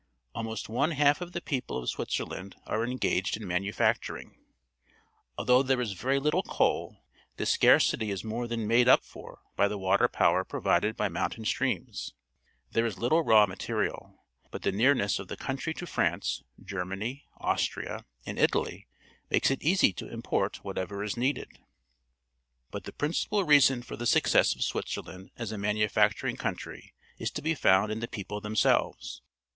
Almost one half of the people of Switzer land are engaged in manufacturing. Al though there is very little coal, this scarcity is more than made up for by the water power provided by mountain streams. There is Uttle raw material, but the nearness of the country to France, Germany, Austria, and Italy makes it easy to import whatever is needed. But the principal reason for the success of Switzerland as a manufacturing country is to be found in the people them selves.